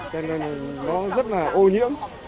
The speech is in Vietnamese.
cho nên nó rất là ô nhiễm